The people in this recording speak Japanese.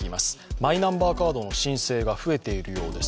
マイナンバーカードの申請が増えているようです。